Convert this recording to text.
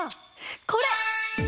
これ！